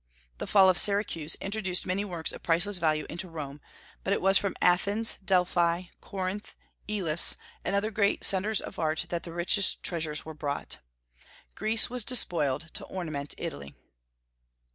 The fall of Syracuse introduced many works of priceless value into Rome; but it was from Athens, Delphi, Corinth, Elis, and other great centres of art that the richest treasures were brought. Greece was despoiled to ornament Italy.